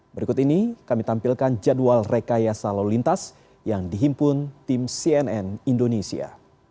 berikut ini kami tampilkan jadwal rekayasa lalu lintas yang dihimpun tim cnn indonesia